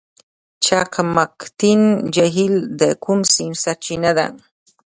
چقمقتین جهیل د کوم سیند سرچینه ده؟